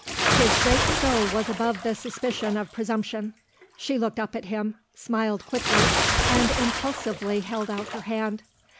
His great soul was above the suspicion of presumption. She looked up at him, smiled quickly, and impulsively held out her hand.